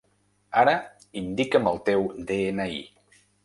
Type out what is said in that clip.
Ara indica'm el teu de-ena-i.